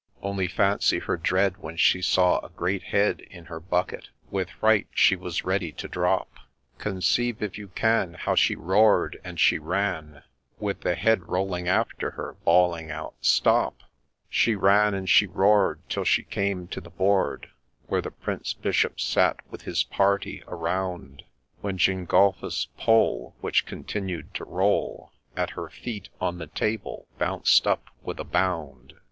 ' Only fancy her dread when she saw a great head In her bucket ;— with fright she was ready to drop :— Conceive, if you can, how she roared and she ran, With the head rolling after her, bawling out ' Stop !' She ran and she roar'd, till she came to the board Where the Prince Bishop sat with his party around, When Gengulphus's poll, which continued to roll At her heels, on the table bounced up with a bound.